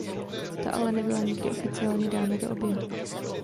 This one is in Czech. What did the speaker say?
Ta ale nebyla nikdy oficiálně dána do oběhu.